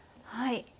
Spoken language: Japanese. はい。